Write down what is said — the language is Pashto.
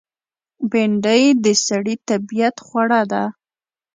بېنډۍ د سړي طبیعت خوړه ده